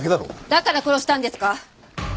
だから殺したんですか？